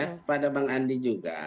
kepada bang andi juga